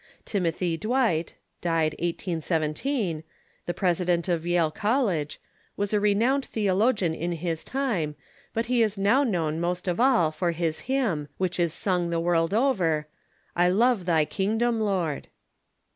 Timothy Dwight (d. 1817), the President of Yale College, was a renowned the ologian in his time, but he is now known most of all for his hymn, which is sung the world over, "I love thy kingdom, Lord."